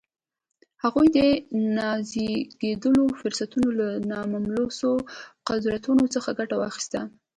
هغوی د نازېږېدلو فرصتونو له ناملموسو قدرتونو څخه ګټه واخیسته